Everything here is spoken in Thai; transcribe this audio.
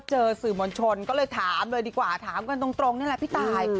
เจอสื่อมวลชนก็เลยถามเลยดีกว่าถามกันตรงนี่แหละพี่ตาย